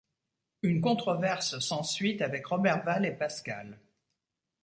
Une controverse s'ensuit avec Roberval et Pascal.